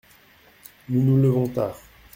Nous nous levons tard…